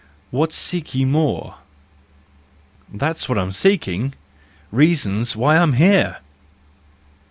What seek you more ?" That's what I'm seeking—reasons why I'm here!